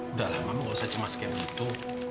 udah lah mama gak usah cemas kayak gitu